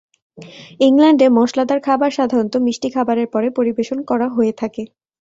ইংল্যান্ডে মশলাদার খাবার সাধারণত মিষ্টি খাবারের পরে পরিবেশন করা হয়ে থাকে।